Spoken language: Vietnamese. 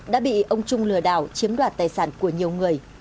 đã bị ông trung lừa đảo chiếm đoạt tài sản của nhiều người